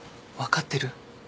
分かってる？